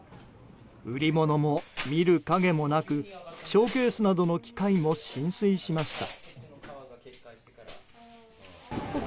売り物も見る影もなくショーケースなどの機械も浸水しました。